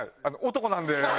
男なんで。